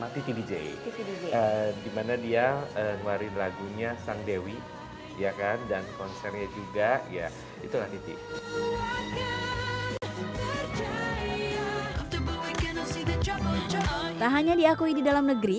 tak hanya diakui di dalam negeri